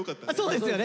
そうですよね！